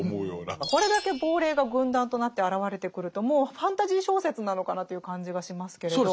これだけ亡霊が軍団となって現れてくるともうファンタジー小説なのかなという感じがしますけれど。